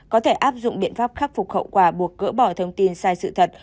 có thể áp dụng biện pháp khắc phục khẩu quả buộc cỡ bỏ thông tin sai sự thật